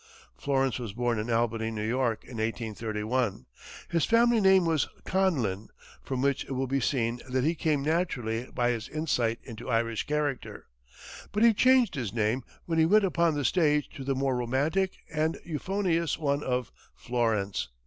Florence was born in Albany, New York, in 1831. His family name was Conlin, from which it will be seen that he came naturally by his insight into Irish character; but he changed this name when he went upon the stage to the more romantic and euphonious one of Florence.